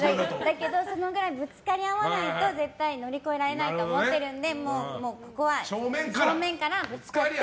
だけど、そのぐらいぶつかり合わないと絶対乗り越えられないと思ってるので判定は？